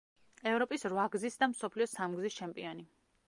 ევროპის რვაგზის და მსოფლიო სამგზის ჩემპიონი.